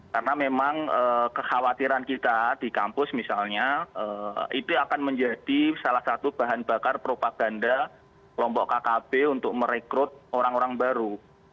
karena memang kekhawatiran kita di kampus misalnya itu akan menjadi salah satu bahan bakar propaganda kelompok kkb untuk merekrut orang orang baru